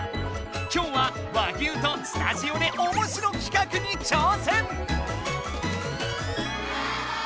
今日は和牛とスタジオでおもしろ企画に挑戦！